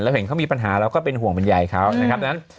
เห็นเขามีปัญหาเราก็เป็นห่วงเป็นใยเขานะครับดังนั้น